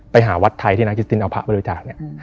ไปหาวัดไทยที่นางกิสตินเอาพระมาบริจาคเนี่ย